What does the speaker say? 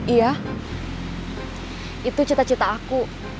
iya itu cita cita aku